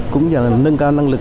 cũng như là nâng cao năng lượng